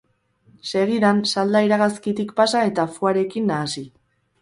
Segidan, salda iragazkitik pasa, eta foie-rekin nahasi.